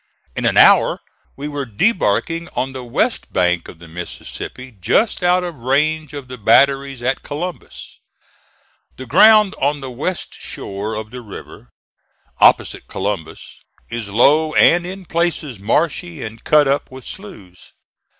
In an hour we were debarking on the west bank of the Mississippi, just out of range of the batteries at Columbus. The ground on the west shore of the river, opposite Columbus, is low and in places marshy and cut up with sloughs.